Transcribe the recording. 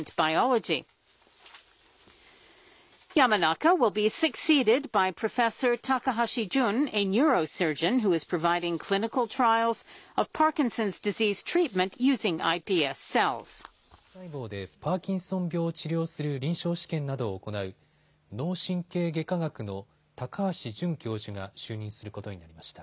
次の所長には、ｉＰＳ細胞でパーキンソン病を治療する臨床試験などを行う、脳神経外科学の高橋淳教授が就任することになりました。